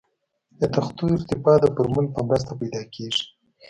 د تختو ارتفاع د فورمول په مرسته پیدا کیږي